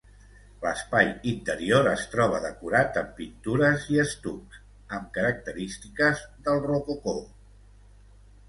L'espai interior es troba decorat amb pintures i estucs, amb característiques del rococó.